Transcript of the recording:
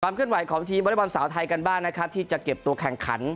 ความเคลื่อนไหวของทีมบริบาลสาวไทยกันบ้างที่จะเก็บตัวแข่งคัน